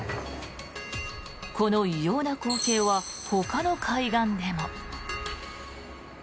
この異様な光景はほかの海岸でも。